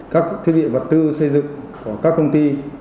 các thiết bị vật tư xây dựng của các công ty